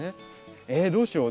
えっどうしよう？